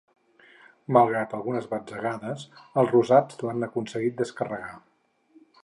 Malgrat algunes batzegades, els rosats l’han aconseguit descarregar.